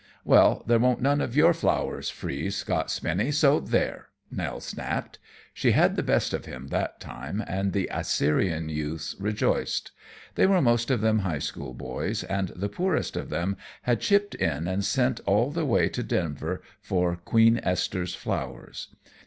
"Well, there won't none of your flowers freeze, Scott Spinny, so there!" Nell snapped. She had the best of him that time, and the Assyrian youths rejoiced. They were most of them high school boys, and the poorest of them had "chipped in" and sent all the way to Denver for Queen Esther's flowers.